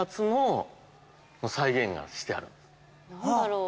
何だろう。